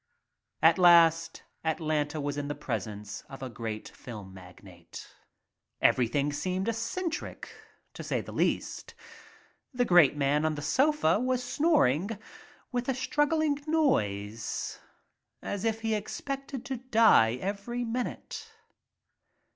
At last Atlanta was in the presence of a great film magnate. Everything seemed eccentric, to say the least. The great man on the sofa was snoring with a struggling noise as if he expected to die every minute.